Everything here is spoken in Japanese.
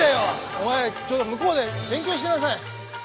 お前ちょっと向こうで勉強してなさい。